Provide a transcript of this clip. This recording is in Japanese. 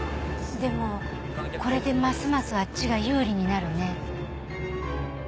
でもこれでますますあっちが有利になるね。